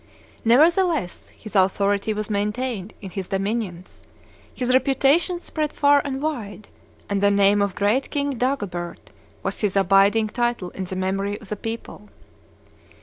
Nevertheless his authority was maintained in his dominions, his reputation spread far and wide, and the name of great King Dagobert was his abiding title in the memory of the people.